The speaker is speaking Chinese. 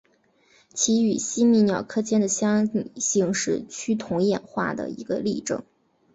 其与吸蜜鸟科间的相拟性是趋同演化的一个例证。